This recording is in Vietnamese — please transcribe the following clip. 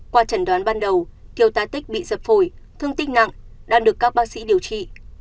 qua chẩn đoán ban đầu thiêu tá tích bị sập phổi thương tích nặng đang được các bác sĩ điều trị